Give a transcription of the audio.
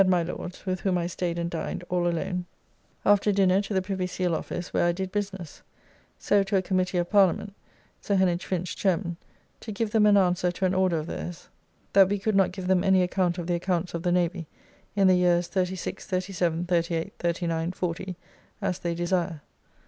] at my Lord's, with whom I staid and dined, all alone; after dinner to the Privy Seal Office, where I did business. So to a Committee of Parliament (Sir Hen[eage] Finch, Chairman), to give them an answer to an order of theirs, "that we could not give them any account of the Accounts of the Navy in the years 36, 37, 38, 39, 40, as they desire."